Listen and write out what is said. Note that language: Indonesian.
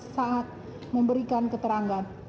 saat memberikan keterangan